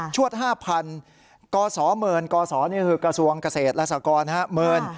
ชวด๕๐๐๐กศเมิร์นกศนี่คือกระทรวงเกษตรรัศกรนะครับเมิร์น